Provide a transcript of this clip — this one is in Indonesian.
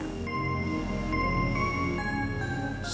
akan segera menyusul kedua anak buahnya